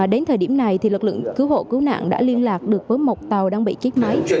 đến thời điểm này lực lượng cứu hộ cứu nạn đã liên lạc được với một tàu đang bị chết máy